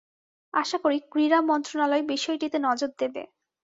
আশা করি, ক্রীড়া মন্ত্রণালয় বিষয়টিতে নজর দেবে।